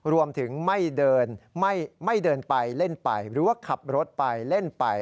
รวมถึงไม่เดินไม่เดินไปเล่นไปหรือว่าขับรถไปเล่นไป